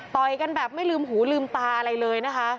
กันแบบไม่ลืมหูลืมตาอะไรเลยนะคะ